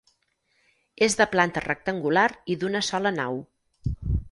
És de planta rectangular i d'una sola nau.